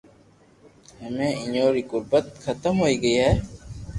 ھمي اپو ري غربت حتم ھوئي گئي ھي